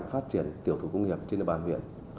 phát triển tiểu thủ công nghiệp trên bàn huyện